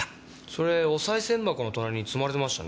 それお賽銭箱の隣に積まれてましたね。